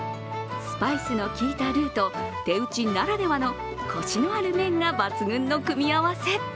スパイスの利いたルーと手打ちならではのこしのある麺が抜群の組み合わせ。